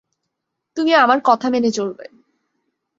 তুমি আমার কথা মেনে চলবে।